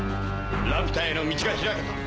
ラピュタへの道が開けた。